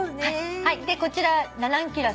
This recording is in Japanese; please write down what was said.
でこちらラナンキュラス。